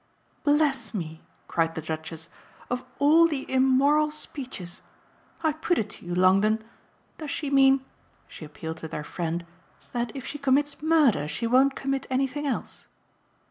"Bless me," cried the Duchess, "of all the immoral speeches ! I put it to you, Longdon. Does she mean" she appealed to their friend "that if she commits murder she won't commit anything else?"